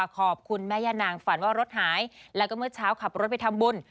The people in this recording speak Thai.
คุณแม่ย่านางฝันว่ารถหายแล้วก็เมื่อเช้าขับรถไปทำบุญ